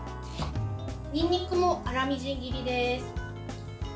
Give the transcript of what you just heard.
にんにくも粗みじん切りです。